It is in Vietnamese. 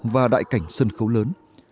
và đại cảnh sân khấu lớn